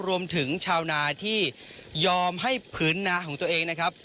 รวมถึงชาวนาที่ยอมให้ผืนนาของตัวเองนะครับ